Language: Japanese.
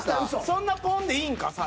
そんなポンでいいんか？